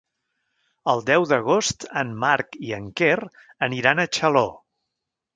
El deu d'agost en Marc i en Quer aniran a Xaló.